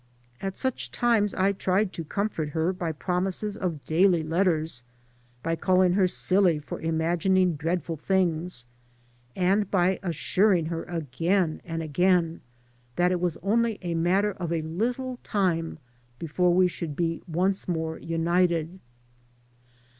At such times I tried to comfort her by promises of daily letters, by calling her silly for imagining dreadful things, 51 AN AMERICAN IN THE MAKING and by assuring her again and again that it was only a matter of a little time before we should be once more united.